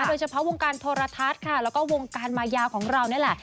โดยเฉพาะวงการโทรทัศน์ค่ะแล้วก็วงการมายาของเรานี่แหละ